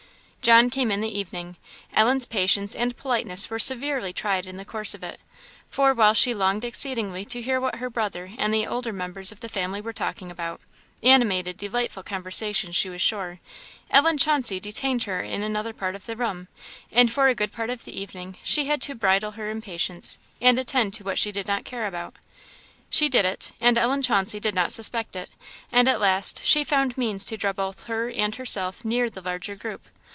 John came in the evening. Ellen's patience and politeness were severely tried in the course of it; for while she longed exceedingly to hear what her brother and the older members of the family were talking about animated, delightful conversation she was sure Ellen Chauncey detained her in another part of the room; and for a good part of the evening she had to bridle her impatience, and attend to what she did not care about. She did it, and Ellen Chauncey did not suspect it; and at last she found means to draw both her and herself near the larger group.